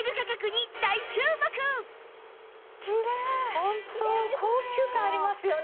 ホント高級感ありますよね。